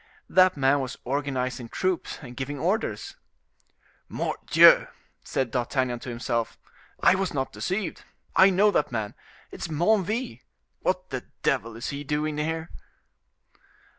That man was organizing troops and giving orders. "Mordioux!" said D'Artagnan to himself, "I was not deceived; I know that man,—it is Menneville. What the devil is he doing here?"